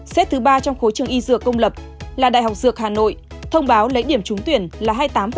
xét thứ ba trong khối trường y dược công lập là đại học dược hà nội thông báo lấy điểm trúng tuyển là hai mươi tám một mươi năm